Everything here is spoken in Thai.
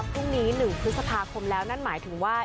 พรุ่งนี้๑พฤษภาคมแล้วนั่นหมายถึงว่า